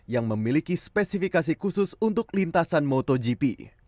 yang memiliki spesifikasi khusus untuk lintasan motogp